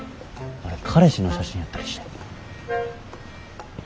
あれ彼氏の写真やったりして。